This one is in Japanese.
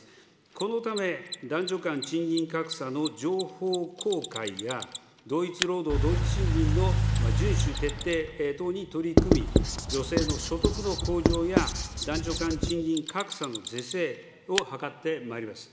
このため、男女間賃金格差の情報公開や、同一労働同一賃金の順守・徹底等に取り組み、女性の所得の向上や男女間賃金格差の是正を図ってまいります。